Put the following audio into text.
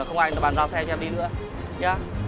không ai bàn giao xe cho em đi nữa